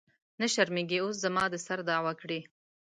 نه شرمېږې اوس زما د سر دعوه کړې.